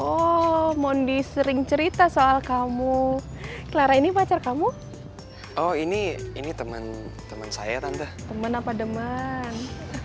oh bundy sering cerita soal kamu lara ini pacar kamu bp c pior ngeluar apa teman heart